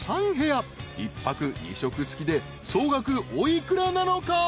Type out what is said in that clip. ［１泊２食付きで総額お幾らなのか？］